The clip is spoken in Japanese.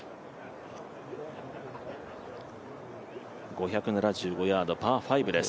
５７５ヤード、パー５です。